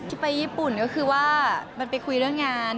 ไปญี่ปุ่นก็คือว่ามันไปคุยเรื่องงาน